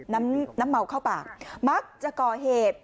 น้ำเมาเข้าปากมักจะก่อเหตุ